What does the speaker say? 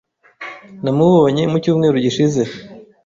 Namubonye mu cyumweru gishize.